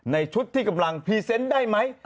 ในชุดที่กำลังพรีเซนต์ได้ไหม